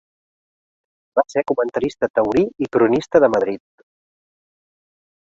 Va ser comentarista taurí i cronista de Madrid.